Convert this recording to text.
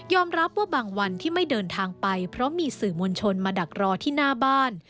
รับว่าบางวันที่ไม่เดินทางไปเพราะมีสื่อมวลชนมาดักรอที่หน้าบ้าน